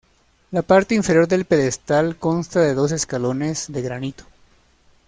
La parte inferior del pedestal consta de dos escalones de granito.